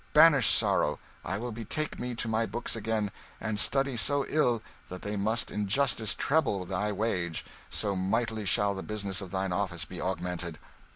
Banish sorrow I will betake me to my books again, and study so ill that they must in justice treble thy wage, so mightily shall the business of thine office be augmented."